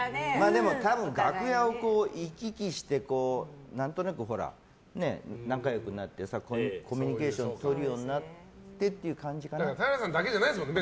でも多分楽屋を行き来して何となく仲良くなってコミュニケーションをとるようになってっていう田原さんだけじゃないですもんね。